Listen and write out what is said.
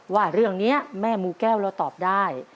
ว่าเรื่องนี้แม่มูแก้วเราตอบได้